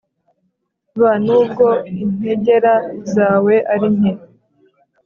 b) n'ubwo integer zawe ari nke